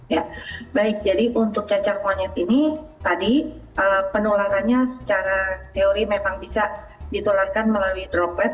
ya baik jadi untuk cacar monyet ini tadi penularannya secara teori memang bisa ditularkan melalui droplet